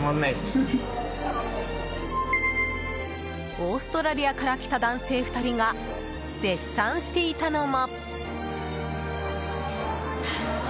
オーストラリアから来た男性２人が絶賛していたのも。